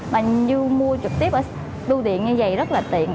mà như mua trực tiếp ở bùa điện như vậy rất là tiện